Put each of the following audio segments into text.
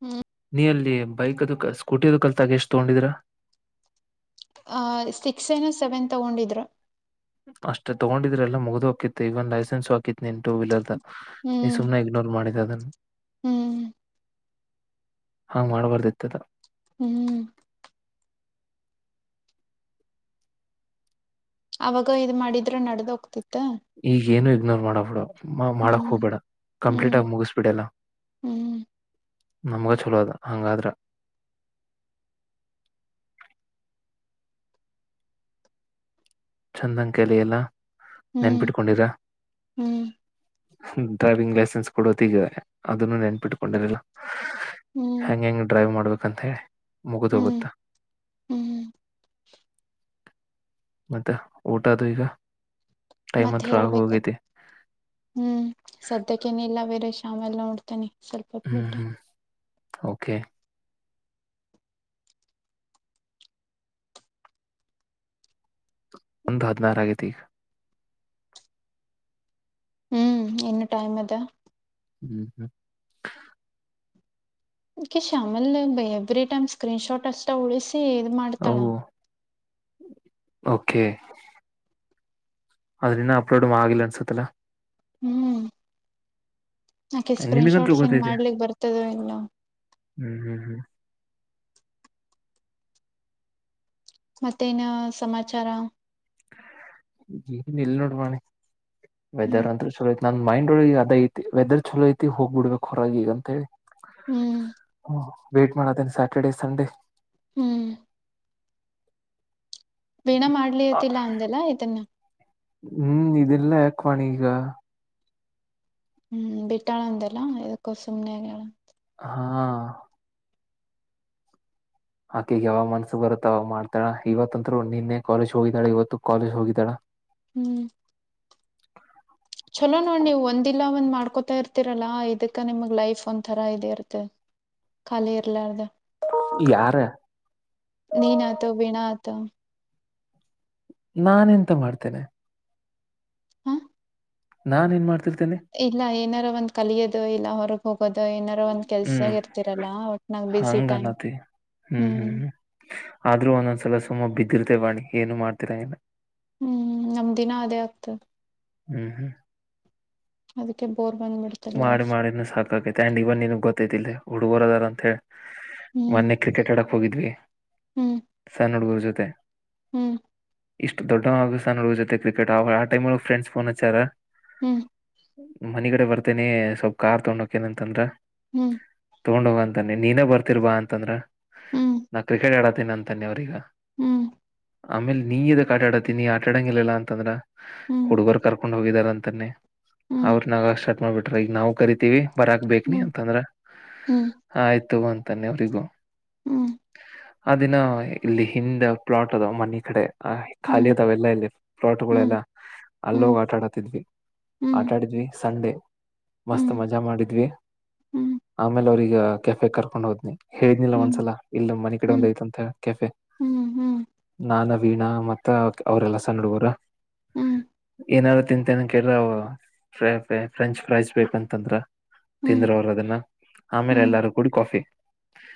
ಹ್ಮ್ ನೀ ಅಲ್ಲಿ ಬೈಕ್ ಅದಕ ಸ್ಕೂಟಿ ಅದಕಲ್ತಾಗ ಎಷ್ಟು ತಗೊಂಡಿದಿರ ಅಹ ಸಿಕ್ಸ್ ಏನ ಸೆವೆನ್ ತಗೊಂಡಿದ್ರ ಅಷ್ಟೇ ತಗೊಂಡಿದ್ರೆಲ್ಲ ಮುಗಿದು ಹಾತ್ತು ಇವನ್ ಲೈಸೆನ್ಸ್ ಹಾಕಿತ್ ನೀನ್ ಟೂ ವೀಲರ್ ದ ನೀ ಹ್ಮ್ ಸುಮ್ನೆ ಇಗ್ನೋರ್ ಮಾಡಿದ್ದ ಅದನ್ನು ಹ್ಮ್ ಹಾ ಮಾಡ್ಬಾರ್ದ ಇತ್ತದ ಹ್ಮ್ ಅವಾಗ ಇದ್ ಮಾಡಿದ್ರೆ ನಡ್ದ ಹೋಗ್ತಿತ್ತು ಈಗ ಏನು ಇಗ್ನೋರ್ ಮಾಡಬ ಬಿಡು ಮಾಡಕ್ ಹ್ಮ್ ಹೋಗ್ಬೇಡ ಕಂಪ್ಲೀಟ್ ಹ್ಮ್ ಆಗ ಮುಗಿಸಬಿಡಲ್ಲ ಹ್ಮ್ ನಮ್ಗ ಚಲೋ ಅದ ಹಂಗಾದ್ರ ಚಂದಂ ಕಲಿ ಎಲ್ಲ ಹ್ಮ್ ನೆನ್ಪಿಟ್ಕೊಂಡಿರ ಹ್ಮ್ ಡ್ರೈವಿಂಗ್ ಲೈಸೆನ್ಸ್ ಕೊಡೋತ್ತಗಿದೆ ಅದನ್ನು ನೆನ್ಪಿಟ್ಕೊಂಡಿರಲಿಲ್ಲ ಹ್ಮ್ ಹೆಂಗ ಹೆಂಗ ಡ್ರೈವ್ ಮಾಡ್ಬೇಕಂತ ಹೇಳಿ ಮುಗಿದ ಹ್ಮ್ ಹೋಗುತ್ತ ಹ್ಮ್ ಮತ್ತೆ ಊಟ ಅದು ಈಗ ಟೈಮ್ ಮತ್ತೆ ಹತ್ರ ಆಗ ಹೇಳ್ಬೇಕ ಹೋಗೈತಿ ಹ್ಮ್ ಸದ್ಯಕ್ಕೇನ ಇಲ್ಲ ಬೇರೆ ನಾವೆಲ್ಲ ನೋಡ್ತೇನಿ ಸ್ವಲ್ಪ ಹೊಪ್ಪ ಹ್ಮ್ ಬಿಟ್ಟ ಹ್ಮ್ ಓಕೆ ಒಂದು ಹದಿನಾರಗೈತಿ ಈಗ ಹ್ಮ್ ಇನ್ನು ಟೈಮ್ ಅದ ಹ್ಮ್ ಹ್ಮ ಆಕಿ ಶ್ಯಾಮಲ ಎವ್ರರಿಟೈಮ್ ಸ್ಕ್ರೀನ್ ಶಾಟ್ ಅಷ್ಟಾ ಉಳಿಸ ಸಿ ಇದ ಮಾಡ್ತಳ ಅವು ಓಕೆ ಅದ್ರ ಇನ್ನ ಅಪ್ಲೋಡ್ ಆಗಿಲ್ಲ ಅನ್ಸತ್ತಲ್ಲಾ ಹ್ಮ್ ಅಕಿಗ ಸ್ಕ್ರೀನ್ ನಿನ್ಗಂತೂ ಶಾಟ್ ಸೆಂಡ ಗೊತ್ತೈತೆ ಮಾಡ್ಲಿಕ್ ಬರ್ತದ ಇಲ್ಲ ಹ್ಮ್ ಹ್ಮ್ ಹ್ಮ್ ಮತ್ತೇನ್ ಸಮಾಚಾರ ಎನ್ ಇಲ್ ನೋಡ ವಾಣಿ ಹ್ಮ್ ವೆದರ್ ಅಂತರ ಚಲೋ ಐತಿ ನನ್ ಮೈಂಡ್ ಒಳಗ ಇಗ ಅದ್ ಐತಿ ವೆದರ್ ಚಲೋ ಐತಿ ಹೋಗ್ಬ ಬಿಡ್ಬೇಕು ಹೊರಗೆ ಈಗ ಅಂತ ಹೇಳಿ ಹ್ಮ್ ಹ ವೇಟ್ ಮಾಡತಿನಿ ಸ್ಯಾಟರ್ಡೆ ಸಂಡೇ. ಹ್ಮ್. ಪೇನಾ ಮಾಡ್ಲತಿಲ್ಲ ಅಂದೆಲ್ಲ ಇದನ್ನ. ಹ್ಮ್ ಇದಿಲ್ಲ ಯಾಕ ವಾಣಿ ಈಗ. ಹ್ಮ್ ಬಿಟ್ಟಾಳ ಅಂತೆಲ್ಲ ಎದಕ್ಕೋ ಸುಮ್ನೆ ಆಗಳ. ಹಾ. ಆಕಿಗ ಯಾವಗ ಮನ್ಸು ಬರುತ್ತ ಅವಾಗ್ ಮಾಡ್ತಾಳ ಇವತ್ತಂದರು ನಿನ್ನೆ ಕಾಲೇಜ್ ಹೋಗಿದ್ದಾಳ ಇವತ್ತು ಕಾಲೇಜ್ ಹೋಗಿದ್ದಾಳ. ಹ್ಮ್. ಚಲೋ ಅಲ್ಲಿ ನೀವು ಒಂದಿಲ್ಲ ಒಂದ್ ಮಾಡ ಮಾಡ್ಕೋತಾ ಇರ್ತಿರಲ್ಲ ಇದಕ್ಕ ನಿಮಗ್ ಲೈಫ್ ಒಂದ್ಥರ ಇದ ಇರ್ತದ ಖಾಲಿ ಇರ್ಲಾರ್ದ. ಯಾರ ನೀನ್ ಆತ ವೀಣಾ ಆತ. ನಾನ ಎಂತ ಮಾಡ್ತೇನೆ. ಹ ನಾನ್ ಏನ್ ಮಾಡ ಇಲ್ಲ ಏನಾರು ಒಂದ್ ಕಲಿಯೋದು ಇಲ್ಲ ಹೊರಗ್ ಹೋಗೋದು ಏನಾರ ಒಂದ್ ಹ್ಮ್ ಕೆಲ್ಸಗ ಇರ್ತಿರಲ್ಲ ಒಟ್ನಾಗ್ ಬಿಸಿ ಟೈಮ್ ಹಂಗನತಿ ಹ್ಮ್ ಆದ್ರೂ ಒಂದೊಂದ್ಸಲ ಸುಮ್ಮ ಬಿದ್ದಿರ್ತಿವಿ ವಾಣಿ ಏನು ಮಾಡ್ತೀರಂಗಿಲ್ಲ ಹ್ಮ್ ನಮ್ದ ದಿನ ಅದೇ ಆಗ್ತದ ಹ್ಮ್ ಹ್ಮ್. ಅದಕ್ಕೆ ಬೋರ್ ಬಂದ್ಬಿಡ್ತದ ಮಾಡಿ ಲೈಫ್ ಮಾಡಿನ ಸಾಕೈತಿ ಅಂಡ್ ಇವ ನಿನಗ್ ಗೊತ್ತೈತಿಲ್ಲ ಹುಡುಗರದಾರ ಅಂತ ಹೇಳಿ ಹ್ಮ್ ಮೊನ್ನೆ ಕ್ರಿಕೆಟ್ ಆಡಕ್ ಹೋಗಿದ್ವಿ ಹ್ಮ್ ಸಣ್ಣ ಹುಡ್ಗರ್ ಜೊತೆ ಹ್ಮ್ ಇಷ್ಟು ದೊಡ್ಡವಾದರ ಸಣ್ಣ ಹುಡುಗುರ ಜೊತೆ ಕ್ರಿಕೆಟ್ ಆ ಆ ಟೈಮ ಫ್ರೆಂಡ್ಸ್ ಫೋನ್ ಹಚಾರ ಹ್ಮ್ ಮನಿಗಡೆ ಬರ್ತೇನಿ ಸ್ವಲ್ಪ್ ಕಾರ್ ತಗೊಂಡ ಹೋಕೇನಂತಂದ್ ಹ್ಮ್ ತಗೊಂಡ್ ಹೋಗಂತಾನೆ ನೀನೇ ಬರ್ತಿರ್ ಬಾ ಅಂತಂದ್ರ ಹ್ಮ್ ನಾ ಕ್ರಿಕೆಟ್ ಆಡತೀನಿ ಅಂತದೆ ಅವ್ರೀಗ ಹ್ಮ್ ಆಮೇಲ್ ನೀ ಎದಕ್ ಆಟ ಆಡತಿ ನೀ ಆಟಾಡಂಗಿಲ್ಲಿಲ್ಲ ಅಂತಂದ್ರ ಹ್ಮ್ ಹ್ಮ್ ಹುಡುಗರ್ ಕರ್ಕೊಂಡ್ ಹೋಗಿದಾರ ಅಂತಾನೆ ಹ್ಮ್ ಅವ್ರ ನಗಕ್ಕ ಸ್ಟಾರ್ಟ್ ಮಾಡ್ಬಿಟ್ರ ಈಗ ನಾವು ಕರಿತೀವಿ ಬರಕ್ ಬೇಕ ನೀ ಹ್ಮ್ ಅಂತಂದ್ರ ಹ್ಮ್ ಆಯ್ತು ತೋಗ ಅಂತನೆ ಅವ್ರಿಗೂ ಹ್ಮ್ ಆ ದಿನ ಇಲ್ಲಿ ಹಿಂದ ಪ್ಲಾಟ್ ಅದವ ಮನಿ ಕಡೆ ಆ ಖಾಲಿ ಹ್ಮ್ ಅದಾವೆಲ್ಲಾ ಇಲ್ಲಿ ಹ್ಮ್ ಫ್ಲಾಟ್ಗಳೆಲ್ಲ ಹ್ಮ್ ಅಲ್ಲೋಗಿ ಆಟ ಆಡತ್ತಿದ್ವಿ ಹ್ಮ್ ಆಟ ಆಡಿದ್ವಿ ಸಂಡೆ ಮಸ್ತ್ ಹ್ಮ್ ಮಜಾ ಮಾಡಿದ್ವಿ ಹ್ಮ್ ಆಮೇಲೆ ಅವ್ರೀಗ ಕೆಫೆ ಕರ್ಕೊಂಡ್ ಹೋದ್ನಿ ಹೇಳ್ನಿಲ್ಲ ಹ್ಮ್ ಒಂದ್ಸಲ ಇಲ್ಲ ಮನಿ ಕಡೆ ಒಂದ್ ಹ್ಮ್ ಐತಂತ ಹೇಳಿ ಕೆಫೆ ಹ್ಮ್ ಹ್ಮ್ ನಾನ್ ವೀಣಾ ಮತ್ತ ಅವ್ರ ಎಲ್ಲಾ ಸಣ್ಣ ಹುಡುಗುರ ಹ್ಮ್ ಏನಾರು ತಿಂತೇನೆ ಕೇಳ್ರ ಫ್ರೈೈ ಫ್ರೆಂಚ್ ಫ್ರೈಸ್ ಬೇಕಂತಂದ್ರ ಹ್ಮ್ ತಿಂದರು ಅವರು ಅದನ್ನ ಆಮೇಲೆ ಹ್ಮ್ ಎಲ್ಲಾರು ಕೂಡಿ ಕಾಫಿ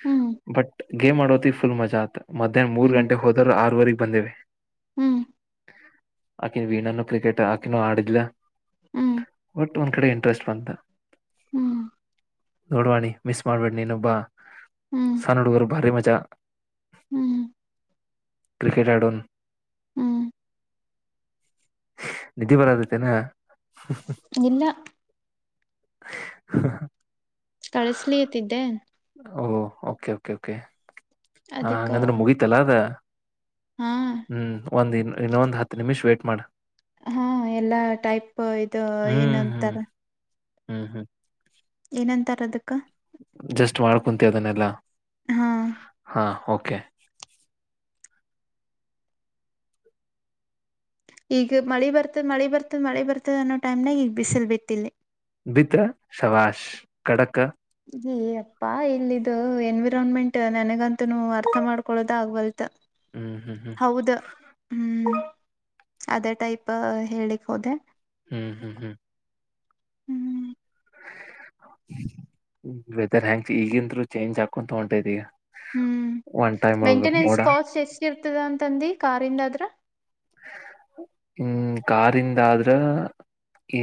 ಹ್ಮ್ ಹ್ಮ್ ಬಟ್ ಗೇಮ್ ಆಡೋತಿ ಫುಲ್ ಮಜಾ ಆತತ್ ಮಧ್ಯಾಹ್ನ ಮೂರ್ ಹ್ಮ್ ಗಂಟೆ ಹೋದ್ರ ಆರವರೆಗ್ ಬಂದೇೆ ಹ್ಮ್ ಆಕಿನ ವೀಣಾನ ಕ್ರಿಕೆಟ್ ಆಕಿನೂ ಆಡಿದಿಲ್ಲ ಹ್ಮ್ ಬಟ್ ಒಂದ್ ಕಡೆ ಇಂಟ್ರಸ್ಟ್ ಬಂತ ಹ್ಮ್ ನೋಡ್ವಣಿ ಮಿಸ್ ಮಾಡ್ಬೇಡ್ ನೀನೊಬ್ಬ ಹ್ಮ್ ಸಾನ ಹುಡುಗರು ಭಾರಿ ಮಜಾ ಹ್ಮ್ ಹ್ಮ ಕ್ರಿಕೆಟ್ ಹಡನ್ ಹ್ಮ್ ನಿಧಿ ಬರದತೆನಾ ಎಲ್ಲ ಹ ಕಳಸ್ತಿದ್ದೆ ಓಹ ಓಕೆ ಓಕೆ ಓಕೆ ಹ ಅದಕ್ಕ ಹಂಗಂದ್ರೆ ಮುಗೀತಲ್ಲ ಅದ ಹಾ ಹ್ಮ್ ಒಂದನ್ ಇನ್ನೊಂದ್ ಹತ್ತು ನಿಮಿಷ್ ವೇ್ಟಟ್ ಮಾಡ ಹಾ ಎಲ್ಲಾ ಟೈಪ್ ಇದು ಏನ್ ಹ್ಮ್ ಹ್ಮ್ ಅಂತಾರ ಹ್ಮ್ ಹ್ಮ್ ಏನಂತಾರ ಅದಕ್ಕ ಜಸ್ಟ್ ಮಾಡ ಕುಂತ ಅದನ್ನೆಲ್ಲ ಹಾ ಹಾ ಕೆ ಈಗ ಮಳಿ ಬರ್ತದ ಮಳೆ ಬರ್ತದ ಮಳೆ ಬರ್ತದ ಅನ್ನೋ ಟೈಮ್ನಾಗ ಈಗ ಬಿಸಿಲ್ ಬಿತ್ತಿಲ್ಲಲ್ಲಿ ಬತ್ರ್ರ ಶವಾಶ್ ಡಕ ಈ ಅಪ್ಪಾ ಇಲ್ಲಿದು ಎನ್ವಿರಾನ್ಮೆಂಟ್ ನನಗಂತುನು ಅರ್ಥ ಮಾಡ್ಕೊೊಳ್ಳೋದ ಆಗ್ಬಲ್ ಹ್ಮ್ ಹ್ಮ್ ಹ್ಮ್ ಹೌದ ಹ್ಮ್ ಅದೇ ಟೈಪ್ ಹೇಳಲಿಕ್ ಹೋದೆ ಹ್ಮ್ ಹ್ಮ್ ಹ್ಮ್ ಹ್ಮ್ ವೆದರ್ ಹೆಯಾಂಗ ಈಗಿಂದರು ಚೇಂಜ್ ಹಾಕೊ ತಗಟೈತಿ ಈಗ ಹ್ಮ್ ಒನ್ ಟೈಮ್ ಒಳಗ ಮೇಂಟನೆನ್ಸ್ ಮೋಡ ಕಾಸ್ಟ್ ಎಷ್ಟ ಇರ್ತದ ಅಂತಂದ ಕಾರಿಂದಾದ್ರ ಹ್ಮ ಕಾರಿಂದ ಆದ್ರ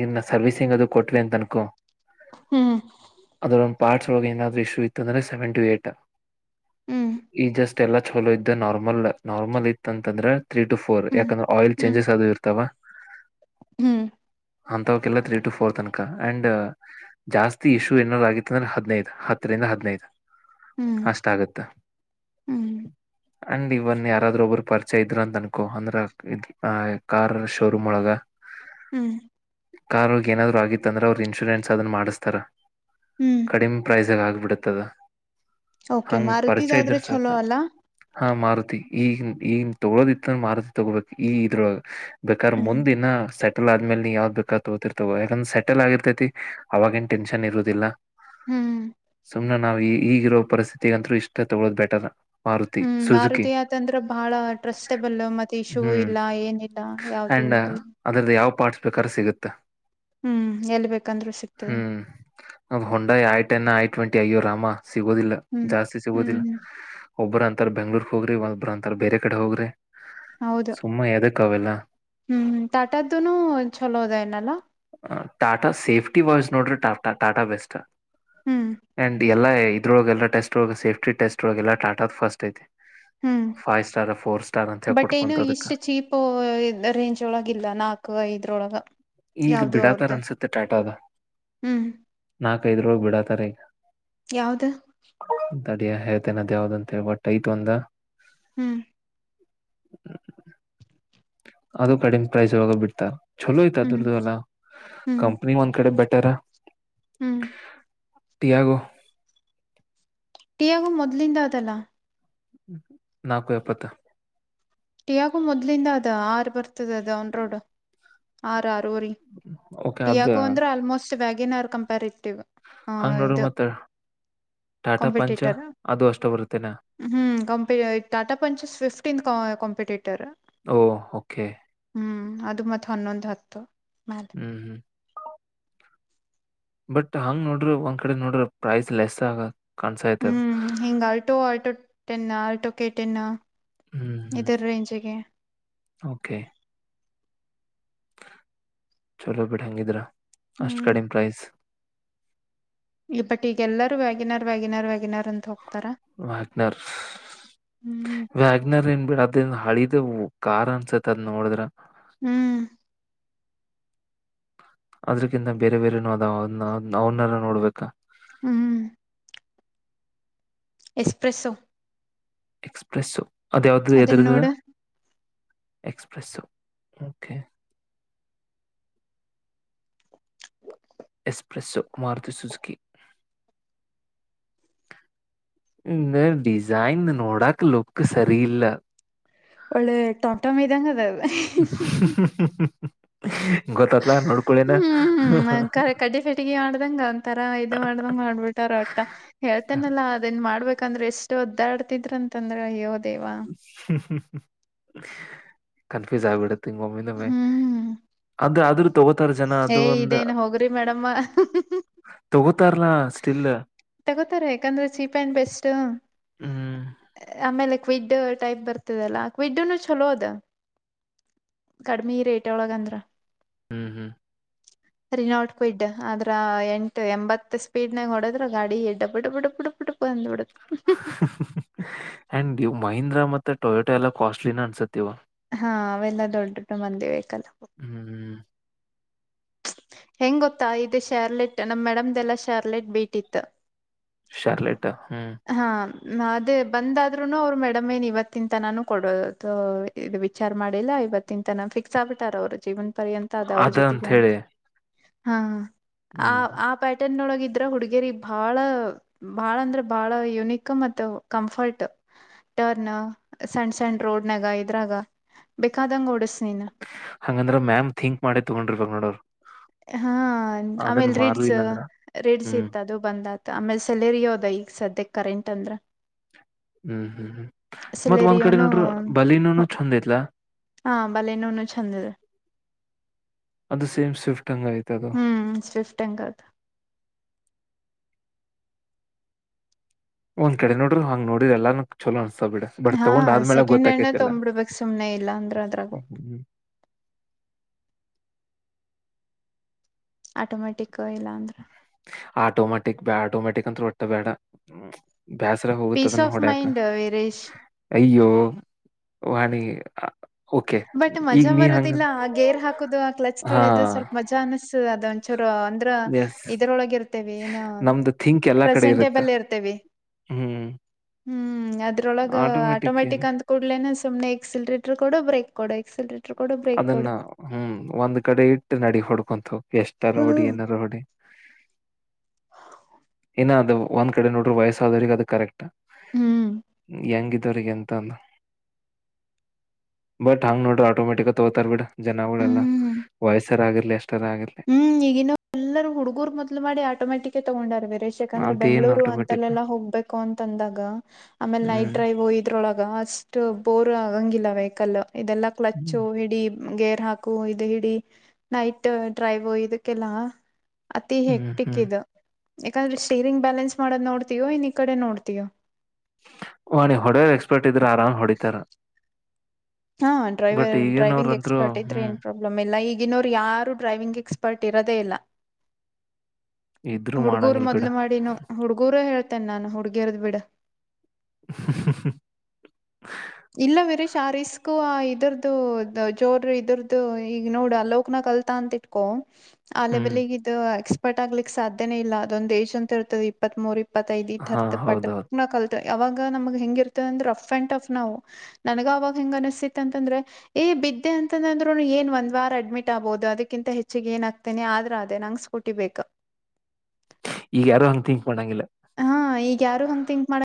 ನ್ನ ಸರ್ವಸಿಂಗ್ ಅದು ಕೊಟ್ವಿ ಅಂತ ಅನ್ಕು ಹ್ಮ್ ಪಾರ್ಟ್ಸ್ ಒಳಗೆ ಏನಾದ್ರು ಇಶ್ಯೂ ಇತ್ತು ಅಂದ್ರೆ ಸೆವೆಂಟಿ ಏಟ್ ಹ್ಮ್ ಈ ಜಸ್ಟ್ ಎಲ್ಲ ಚಲೋ ಇದ್ದು ನಾರ್ಮಲ್ ನಾರ್ಮಲ್ ಇತ್ತ ಅಂತಂದ್ರೆ ತ್ರೀ ಟ ಫೋರ್ ಹ್ಮ್ ಯಾಕಂದ್ರೆ ಆಯಿಲ್ ಹ್ಮ್ ಚೇಂಜಸ್ ಅದು ಇರ್ತವಾ ಹ್ಮ್ ಅಂತವಕಲ್ಲ ತ್ರೀ ಟು ಫೋರ್ ತನಕ ಅಂಡ್ ಜಾಸ್ತಿ ಇಶ್ಯೂ ಏನಾದ್ ಆಗಿತ್ತ ಅಂದ್ರೆ ಹದಿನೈದು ಹತ್ತ ದ ಹದಿನೈದು ಹ್ಮ್ ಅಷ್ಟ ಆಗುತ್ತ ಹ್ಮ್ ಅಂಡ್ ಇವನ್ ಯಾರಾದ್ರೂ ಒಬ್ರು ಪರಿಚಯ ಇದ್ರ ಅಂತ ಅನ್ಕೋ ಅಂದ್ರ ಇದ್ ಹ ಕಾರ್ ಶೋರೂಮ್ ಒಳಗ ಹ್ಮ್ ಕಾರ್ಗ ಏನಾದ್ರು ಆಗಿತ್ತ ಅಂದ್ರೆ ಅವರು ಇನ್ಶೂರೆನ್ಸ್ ಅದನ್ನ ಮಾಡಿಸಸ್ತಾರ ಹ್ಮ್ ಕಡಿಮ ಪ್ರೈಸ್ ಆಗ್ಬಿಡತ್ತದ ಓಕೆ ಹಂಗ ಪರಿಚಯ ಮಾರುತಿದಾದ್ರ ಇದ್ರ ಸಾಕ ಚಲೋ ಅಲ್ಲ ಹ ಮಾರ ಈಗ ಈಗನ್ ತೊಗೊೋದಿತ್ತ ಮಾರತಿ ತೊಗೊಳ್ಬೇಕು ಈ ಇದ್ರೊ ಬೇಕಾದ್ರೆ ಹ್ಮ್ ಮುಂದಿನ ಸೆಟಲ್ ಆ ಅ ಆದ್ಮೇಲೆಲಿ ಯಾವ್ದ್ ಬೇಕಾದ ತೋತಿರ್ತವ ಯಾಕಂದ್ರ ಸೆಟಲ್ ಆಗಿರ್ತೈತಿ ಅವಾಗ ಏನ್ ಟೆನ್ಷನ್ ಇರುೋದಿಲ್ಲ ಹ್ಮ್ ನಾವು ಈಗಿರೋ ಪರಿಸ್ಥಿತಿಗಂತೂ ಇಷ್ಟ ತಗೊೋ ಬ ಬೆಟರ್ ಮಾರುತಿ ಹ್ಮ್ ಸುಜುಕಿ ಭಾರತಯತಂದತ್ರ ಬಹಳ ಟ್ರಸ್ಟಬಲ್ ಮತ್ತೆ ಇಶೂೂ ಹ್ಮ್ ಇಲ್ಲ ಏನಿಲ್ಲ ಯಾವ್ದು ಇ ಪಾಡ್ಸ್ ಬೇಕಾದ್ರೆ ಸಿಗುತ್ತೆ ಹ್ಮ್ ಎಲ್ ಬೇಕಂದ್ರು ಸಿಗ್ತದ ಹ್ಮ್ ಹೊೋಂಡಾ ಆಯಟನ್ನ ಆಯ ಟ್ವೆಂಟಿ ಅಯ್ಯೋ ರಾಮ ಸಿಗೋದಿಲ್ಲ ಹ್ಮ್ ಜಾಸ್ತಿ ಸಿಗೋದಿಲ್ಲ ಹ್ಮ್ ಒಬ್ಬ್ರ ಅಂತಾರ ಬೆಂಗ್ಳೂರ್ಕ್ ಹೋಗ್ರಿ ಒಬ್ಬ್ರ ಅಂತಾರ ಬೇರೆ ಕಡೆ ಹೋಗ್ರಿ ಹೌದು ಸುಮ್ಮ ಎದಕ್ ಅವೆಲ್ಲ ಹ್ಮ್ ತಟದ್ದನು ಚಲೋದ ನಲ್ಲ ಟಾಟಾ ಸೇಫ್ಟಿ ವಾಯ್ಸ್ ನೋಡ್ರೆ ಟಾಟಾ ಟಾಟಾ ಬೆಸ್ಟ್ ಹ್ಮ್ ಅಂಡ್ ಎಲ್ಲ ಇದ್ರೊಳಗೆಲ್ಲ ಟೆಸ್ಟ್ ಒಳ ಸೇಫ್ಟಿ ಟಸ್ಟ್ ಒಳ ಎಲ್ಲ ಟದ ಫಸ್ಟ್ ಐತಿ ಹ್ಮ್ ಫೈವ್ ಸ್ಟಾರ್ ಫೋರ್ ಸ್ಟಾರ್ ಅಂತ ಬಟ್ ಏನು ಹೇಳಳ್ಕಟ್ಕೊಂತದಕ್ಕೆ ಇಷ್ಟು ಚೀಪ್ ರೇಂಜ್ ಒಳಗ ಇಲ್ಲ ನಾಲ್ಕು ಐದರೊಳಗ ಈಗ ಬಿಡಾತಾರ ಅನ್ಸುತ್ತೆ ಟಾಟದ ಹ್ಮ್ ನಾಕೈಐದ್ರಳಗೆ ಬಿಡತಾರೆ ಈಗ ಯಾವ್ದ ನದ್ ಯಾವ್ದ ಅಂತೇಳ ಬಟ್ ಯ್ತ ಒಂದ ಹ್ಮ್ ಅದು ಕಡಿಮ ಪ್ರೈಸ್ ಇಾಗ ಬಿಡ್ತಾರ ಚಲೋ ಹ್ಮ್ ಆಯ್ತದುರದು ಅಲ್ಲ ಹ್ಮ್ ಕಂಪ್ನಿ ಒಂದ್ ಕಡೆ ಬೆಟ್ಟ ತ್ತರ ಹ್ಮ್ ಿಯಾಗೋ ಟಿಯಾಗು ಮೊದ್ಲಿಂದ ಅದಲ್ಲ ನಕ ಯಪ್ಪತ್ತ ಟಿಯಾಗು ಮೊದ್ಲಿಂದ ಅದ ಆರ್ ಬರ್ತದ ಅದ ಅವನ್ ರೋಡ್ ಆ ರ ಆಾರರಿ ಓಕೆ ಅದ ಟಿಯಾಗೋ ಅಂದ್ರೆ ಆಲ್ಮೋಸ್ಟ್ ವ್ಯಾಗೇನ್ ಕಂಪರ್ ಹಾ ಹಂಗ್ ನೋಡ್ರಿ ಇದು ಮತ್ತ ಟಾಟಾ ಪಂಚ ಕಾಂಪಿಟೇಟರ್ ಅದು ಅಷ್ಟು ಬರುತ್ತ ಹ್ಮ್ ಕಂಪಿ ಟಾಟಾ ಪಂಚಸ್ ಫಿಫ್ಟೀನ್ತ್ ಕಾಂಪಿಟೇಟರ್ ಓ ಓಕೆ ಹ್ಮ್ ಅದು ಮತ್ತತ್ ಹನ್ನೊಂದು್ ಹತ್ತು ಮ್ಯಾಲ ಹ್ಮ್ ಹ್ಮ್ ಬಟ್ ಹಂಗ್ ನೋಡ್ರಿ ಒಂದ್ ಕಡೆ ನೋಡ್ರ ಪ್ರೈಸ್ ಲೆಸ್ ಆಗತ್ ಹ್ಮ್ ಹೆಿಂಗ್ ಆಲ್ಟೋ ಆಲ್ಟೋ ಟೆನ್ ಆಲ್ಟೋಗೆ ಟೆನ್ ಹ್ಮ್ ಹ್ಮ್ ಇದರ ರೇಂಜಗೆ ಓಕೆ ಚಲೋ ಬಿೇಡ ಹೆಂಗಿದ್ರ ಅಷ್ಟು ಹ್ಮ್ ಕಡಿಮ ಪ್ರೈಸ್ ಇ ಬಟ್ ಈಗಲ್ಲಾರೂ ವ್ಯಾಗಿಿನಾರ್ ವ್ಯಾಗಿಿನಾರ್ ವ್ಯಾಗಿನಾರ್ ಅಂತ ಹೋಗ್ತಾರ ವಾಗನರ್ ಹ್ಮ್ ವಾಗನರ್ ಎ ಅದ ಹಳಿದ ಕಾರ್ ಅನ್ಸತ್ ಅದ್ ನೋಡಿದ್ರ ಹ್ಮ್ ಅದ್ರಕ್ಕಿಂತ ಬೇರೆ ಬೇರೆನು ಅದದನ್ನ ಅವನ್ನೆಲ್ಲ ನೋಡ್ಬೇಕಾ ಹ್ಮ್. ಎಕ್ಸ್ಪ್ರೆಸ್ಸೊ. ಎಕ್ಸ್ಪ್ರೆಸ್ಸು ಅದ ಯಾವ್ದ ಅದನ್ನ ಎದರದದ. ನೋಡ ಎಕ್ಸ್ಪ್ರೆಸ್ ಓಕೆ. ಹ. S-Presso Maruti Suzuki. ಇ ಡಿಸೈನ್ ನೋಡಾಕ್ ಲುಕ್ ಸರಿ ಇಲ್ಲ. ಒಳ್ಳೆ ಟಂಟ ಮ ಇದದಂಗ ಅದದು. ಗೊತ್ತತ್ಲಾ ನೋಡ್ಕೊಳೇನಾ. ಕ ಕಡ್ಡಿಫೆಟಗಿ ಮಾಡ್ದಂಗ ಒಂತರ ಇದು ಮಾಡ್ದಂಗ ಮಾಡ್ಬಿಟ್ಟಾರ ಒಟ್ಟ ಹೇಳ್ತೇನಲ್ಲಾ ಅದನ್ ಮಾಡ್ಬೇಕ. ಯಾಕಂದ್ರೆ ಎಷ್ಟು ಒದ್ದಾಡ್ತಿದ್ರ ಅಂದ್ರ ಯದ. ಹ್ಮ ಕನ್ಫ್ಯೂಸ್ ಆಗ್ಿಬಿಡುತ್ತೆ ಒಮ್ಮಿಂದೊಮ್ಮೆ ಹ್ಮ್ ಅದು ಆದ್ರ ತಗೋತಾರ ಜನ ಅದು ಏಯ್ ಒಂದು ಇದೇನ್ ಹೋಗ್ರಿ ಮೇಡಮ್ಮ ತಗೋತಾರಲ್ಲಾ ತಗೋತಾರೆ ಯಾಕಂದ್ರೆ ಚೀಪ್ ಅಂಡ್ ಬೆಸ್ಟ್ ಹ್ಮ್ ಆಮೇಲೆ ಕ್ವಿಡ್ ಟೈಪ್ ಬರ್ತದಲ್ಲ ಕ್ವಿಡ್ನು ಚಲೋ ಅದ ಕಡಿಮಿ ರೇಟ್ ಒಳಗಂದ್ರ ಹ್ಮ್ ಹ್ಮ್ ರಿೀ ನೋಟ್ಕ ಇಡ್ ಆದ್ರ ಎಂಟ ಎಂಬತ್ ಸ್ೀಡ್ನ ಹೊಡದ್ರ ಗಾಡಿ ಎಡ್ ಬಿಡ್ಬ ಬಿಡ ಬಿಡು ಬಿಡ್ ಬಂದ್ ಬಿಡ ಅಂಡ್ ಮಹೀಂದ್ರಾ ಮತ್ತೆ ಟೊಯಟೋ ಎಲ್ಲ ಕಾಸ್ಟ್ಲಿನ ಅನ್ಸತ್ತೆ ಹಾ ಅವೆಲ್ಲ ದೊಡ್ಡ ಮಂದಿ ಬಲ್ಲ ಹ್ಮ್ ಹೆಂಗ್ ಗೊತ್ತಾ ಇದೆ ಶಾರ್ಲೆಟ್ ನಮ್ಮ ಮೇಡಮ್ದಲ್ಲ ಶಾರ್ಲೆಟ್ ಬೀಟ್ಟಿತ್ತು ಶಾರ್ಲೆಟ ಹ್ಮ್ ಅದೇ ಬಂದಾದ್ರುನು ಅವ್ರು ಮೇಡಮ್ೇನ್ ಇವತ್ತಂತ ನಾನು ಕೊಡೋದು ಇದು ವಿಚಾರ ಮಾಡಿಲ್ಲ ಇವತ್ತಿನ ತನ ಫಿಕ್ಸ್ ಆಗ್ಬಿಟಾರ ಅವ್ರ ಜೀವನ್ ಪರ್ಯಂತ ಅದ ಅವ್ರ ಜೊತೆಗೆ ಅಂತ ಹಾ ಆ ಹ್ಮ್ ಆ ಪ್ಯಾಟರ್ನ್ೊಳಗ ಇದ್ರ ಹುಡ್ಗೇರಿ ಬಾಳ ಬಾಳ ಅಂದ್ರ ಬಹಳ ಯುನಿಕ್ ಮ ಕಂಫರ್ಟ್ ಟರ್ನ್ ಸಣ್ ಸಣ್ ರೋಡ್ ನಾಗ ಇದ್ರಾಗ ಬೇಕಾದಂಗ ಡಸ್ ಹಂಗಂದ್ರ ಮ್ಯಾಮ್ ಥಿಂಕ್ ಮಾಡೇ ತಗೊಂಡ್ರಿ ಬಂಗ ನೋಡರ್ ಹಾ ಆಮೇಲ್ ರಿಡ್ಸ್ ಇಲ್ಲಾಂದ್ರ ರಿಡ್ಸ್ ಹ್ಮ್ ಇತ್ತ ಅದು ಬಂದತ್ ಆಮೇಲೆ ಸೆಲರಿ ಯಾವದ ಈಗ ಸದ್ಯಕ್ಕೆ ಕರೆಂಟ್ ಅಂದ್ರ ಹ್ಮ್ ಹ್ಮ್ ಹ್ಮ್ ಮತ್ ಒಂದ್ ಕಡೆ ಸೆಲೆರಿಯೋನು ನೋಡ್ರರು ಬಲಿನೂನು ಚಛಂದ ಐತ್ಲಾ ಹಾ ಬಲೆ ಇನ್ನುೂನು ಚಂದಿದೆ ಅದು ಸೇಮ್ ಸ್ವಿಫ್ಟ್ ಹಂಗ ಆಯ್ತು ಹ್ಮ್ ಸ್ವಿಫ್ಟ್ಂಗಂಗದು ಒಂದ್ ಕಡೆ ನೋಡ್ರರು ಹಂಗ ನೋಡ್ರರಿ ಎಲ್ಲಾ ಚಲೋ ಅನ್ ಸ ಬಿಡ ಬಟ್ ಹಾ ತಗೊಂಡ್ ಆದ್ಮೇಲೆಾಗ ಸೆಕೆಂಡ್ ಹ್ಯಾಂಡ್ ಗೊತ್ತಕೇತಿಲ್ಲ್ಮ್ ತೊಂಬ್ಬಿಡ್ಬೇಕಕ್ ಸುಮ್ನೆ ಇಲ್ಲ ಅಂದ್ರ ಅದ್ರಾಗು ಹ್ಮ್ ಆಟೋಮ್ಯಾಟಿಕ್ ಇಲ್ಲಾಂದ್ರ ಆಟೋಮ್ಯಾಟಿಕ್ ಬ ಆಟೋಮ್ಯಾಟಿಕ್ ಅಂತೆ ಹೊಟ್ಟ ಬೇಡ ಬ್ಯಾಸರ ಪೀಸ್ ಹೋಗುತ್ತದನ್ನ ಆಫ್ ನೋಡ್ಯಕ ಮೈಂಡ್ ವೀರೇಶ್ ಅಯ್ಯೋ ವಾಣಿ ಓಕೆ ಬಟ್ ಈಗ ಮಜಾ ನೀ ಹಂಗ ಬರುದಿಲ್ಲ ಆ ಗೇರ್ ಹಾಕುದು ಆ ಕ್ಲಚ್ ಹಾ ತೊಳೆದು ಸ್ವಲ್ಪ ಮಜಾ ಅನಸತುದು ಅದಂಟ ಅಂದ್ರ ಎಸ್ ಇದರೊಳಗ ಇರ್ತೇವಿ ಏನು ನಮ್ದು ಥಿಂಕ್ ಎಲ್ಲಾ ಕಡೆ ಇರುತ್ತ ಪ್ರೆಸೆಂಟೇಬಲ್ ಇರ್ತೇವಿ ಹ್ಮ್ ಹ್ಮ್ ಅದ್ರೊಳಗ ಆಟೋಮೆಟಿಕ್ ಏನ್ ಆಟೋಮ್ಯಾಟಿಕ್ ಅಂದ್ಕೂಡ್ಲೇನ ತಮ ಎಕ್ಸಿರೆಟರ್ ಕೊಡ ಬ್ರೆಕ್ ಕೊಡಕ್ ಅದನ್ನ ಹ್ಮ್ ಒಂದ್ ಕಡೆ ಇಟ್ಟು ನಡ ಹೊಡ್ಕೊಂತು ಎಷ್ಟಾರ ಹೊೋಡಿ ಏನಾರ ಹೊಡಿ ಏನ ಅದು ಒಂದ್ ಕಡೆ ನೋಡ್ರರು ವಯಸ್ಸಾದ್ರಗ ಅದು ಕರೆಕ್ಟ್ ಹ್ಮ್ ಹೆಂಗಿದರಿರಿಗೆಂತ ಅಲ್ಲ ಬಟ್ ಹಂಗ್ ನೋಡ್ರಿ ಆಟೋಮೆಟಿಕ್ ತಗೋತಾರ್ ಬಿಡ ಜನಗಳ್ೆಲ್ಲಾ ಹ್ಮ್ ವಯಸ್ಸರ ಆಗಿರ್ಲಿ ಅಷ್ಟ ಹ್ಮ್ ಈಗಿನ್ನ ಎಲ್ಲರೂ ಹುಡ್ಗೂರ್ ಮೊದ್ಲು ಮಾಡಿ ಆಟೋಮ್ಯಾಟಿಕ್ ತಗೊಂಡಾರಬೇಕ ಬೇಸಿಕ್ ಅಂದ್ರೆ ಅದೇನ್ ಬೆಂಗ್ಗಳೂರು ಆಟೋಮೆಟಿಕ್ ಅಂತಲ್ಲೆಲ್ಲಾ ಹೋಗ್ಬೇಕು ಅಂತ ಅಂದಾಗ ಆಮೇಲೆ ನೈಟ್ ಹ್ಮ್ ಡ್ರೈವ್ ಇದ್ರೊಳಗ ಅ ಸ್ ಥೂ ಬೋರ್ ಆಗಂಗಿಲ್ಲ ವೆಹಕಲ್ ಇದೆಲ್ಲಾ ಕ್ಲಚ್ು ಹಿಡಿ ಗೇರ್ ನಾಕು ಐದು ಹಿಡ ನೈಟ್ ಡ್ರೈವ್ ಇದಕ್ಕೆಲ್ಲ ಅತಿ ಹ್ಮ್ ಹೆಕ್ಟಿಕ್ ಹ್ಮ್ ಇದು ಯಾಕಂದ್ರೆ ಶೇರಿಂಗ್ ಬ್ಯಾಲೆನ್ಸ್ ಮಾಡೋದ್ ನೋಡ್ತೀಯೋ ಇನ್ ಈ ಕಡೆ ನೋಡ್ತೀಯೋ ಮಣೆ ಹೊಡೆಯರ್ ಎಕ್ಸ್ಪರ್ಟ್ ಇದ್ರೆ ಆರಾಮ್ ಹೊಡಿತಾರ ಹಾ ಬಟ್ ಡ್ರೈವರ ಡ್ರೈವಿಂಗ್ ಈಗಿನವ್ರಂತ್ರು ಎಕ್ಸ್ಪರ್ಟ್ ಇದ್ರೆ ಏನ್ ಹ್ಮ್ ಪ್ರಾಬ್ಲಮ್ ಎಲ್ಲಾ ಈಗ್ ಇನ್ನೋರು ಯಾರು ಡ್ರೈವಿಂಗ್ ಎಕ್ಸ್ಪರ್ಟ್ ಇರೋದೆೇ ಇಲ್ಲ ಇದ್ರು ಹುಡ್ಗೂರು ಮಾಡಂಗಿಲ್ ಬಿಡ ಮೊದ್ಲು ಮಾಡಿನು ಹುಡ್ಗೂರೇ ಹೇಳ್ತೇನೆ ನಾನು ಹುಡಗ್ಯರ್ದ ಬಿಡ. ಹುಂ ಹುಂ ಹ ಇಲ್ಲ ವೀರಶ್ ಆ ರಿಸ್ಕು ಆ ಇದ್ರದು ದ ಜೋರ್ ಇದ್ರದು ಈಗ ನೋಡ ಲೋಕನಾಥ್. ಕಲ್ತಾಂತಿಟ್ಕೋ ಆ ಹ್ಮ್ ಲೆವಲಿಗೆ ಇದು ಎಕ್ಸ್ಪರ್ಟ್ ಆಗ್ಲಿಕ್ ಸಾಧ್ಯನೇ ಇಲ್ಲ ಅದೊಂದ ಏಜ್ ಅಂತ ಇರ್ತದ ಇಪ್ಪತ್ತ್ ಮೂರ್ ಇಪ್ಪ ಇಪ್ಪತ್ತೈದ ಹಾ ಇರ್ತ್ ಹೌದೌದು ಪಟಕನ್ ಕಾಲ್ತ್ರ ಅವಾಗ ನಮಗೆ ಹೆಂಗಿರ್ತದ ಅಂದ್ರ ರಫ್ ಅಂಡ್ ಟಫ್ ನಾವು. ನನ್ಗ ಅವಾಗ ಹೆಂಗ ಅನಿಸಸ್ತಿತ್ತ ಅಂತಂದ್ರೆ ಏ ಬಿದ್ದೆ ಅಂತಂದಂದ್ರುನು ಏನ್ ಒಂದ್ ವಾರ ಅಡ್ಮಿಟ್ ಆಬೋದು. [unintelligible] ಅದಕ್ಕಿಂತ ಹೆಚ್ಚಿಗೆ ಏನಾಗ್ತೇನೆ ಆದ್ರ ಅದೆ ನಂಗ್ ಸ್ಕೂಟಿ ಬೇಕ್ ಈಗ ಯಾರೋ ಹಂಗ ಥಿಂಕ್ ಮಾಡಂಗಿಲ್ಲ. ಹ ಈಗ ಯಾರು ಹಂಗೆ ಥಿಂಕ್ ಮಾಡ